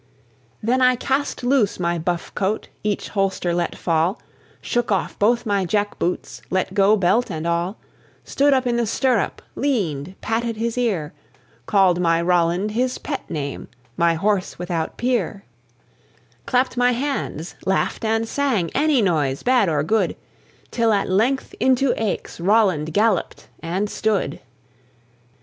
Then I cast loose my buff coat, each holster let fall, Shook off both my jack boots, let go belt and all, Stood up in the stirrup, leaned, patted his ear, Called my Roland his pet name, my horse without peer; Clapped my hands, laughed and sang, any noise, bad or good, Till at length into Aix Roland galloped and stood.